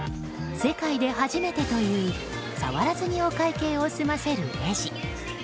世界で初めてという触らずに会計を済ませるレジ。